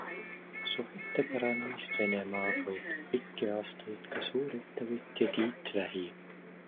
Suhete paranemist Venemaaga ootab pikki aastaid ka suurettevõtja Tiit Vähi.